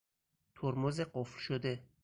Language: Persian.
ترمز قفل شده